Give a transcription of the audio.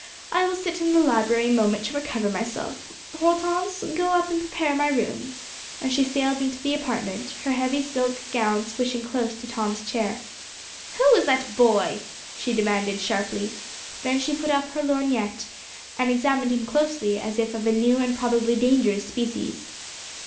I will sit in the library a moment to recover myself. Hortense, go up and prepare my room," and she sailed into the apartment, her heavy silk gown swishing close to Tom's chair. "Who is that boy?" she demanded sharply. Then she put up her lorgnette, and examined him closely as if of a new and probably dangerous species.